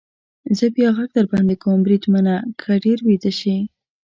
زه بیا غږ در باندې کوم، بریدمنه، که ډېر ویده شې.